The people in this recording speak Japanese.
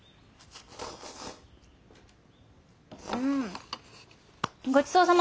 うんごちそうさま！